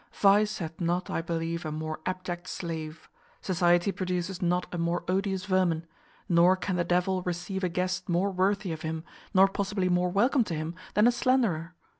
Vice hath not, I believe, a more abject slave; society produces not a more odious vermin; nor can the devil receive a guest more worthy of him, nor possibly more welcome to him, than a slanderer.